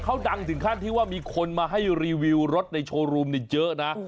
เขาดังถึงขั้นที่ว่ามีคนมาให้รีวิวรถในโชว์รูมเยอะนะ